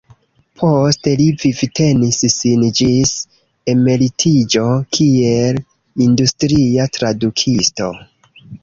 Poste li vivtenis sin ĝis emeritiĝo kiel industria tradukisto.